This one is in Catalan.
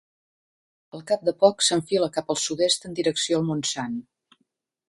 Al cap de poc s'enfila cap al sud-est en direcció al Montsant.